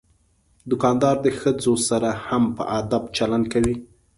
دوکاندار د ښځو سره هم په ادب چلند کوي.